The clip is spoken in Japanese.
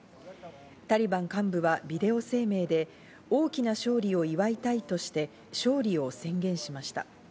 タリバン幹部はビデオ声明で、大きな勝利を祝いたいとして勝利を宣言しました。